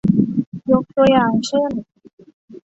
ยกตัวอย่างเช่น